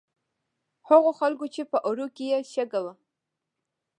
هغو خلکو چې په اوړو کې یې شګه وه.